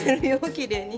きれいに。